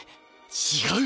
違う？